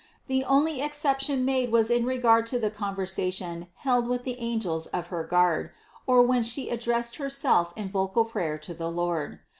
The only exception made was in regard to the conversation held with the angels of her guard, or when She addressed Herself in vocal prayer to the Lord.